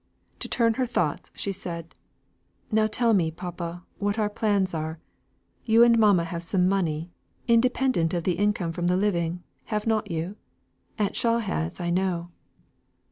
To turn her thoughts, she said: "Now tell me, papa, what our plans are. You and mamma have some money, independent of the income from the living, have you not? Aunt Shaw has, I know."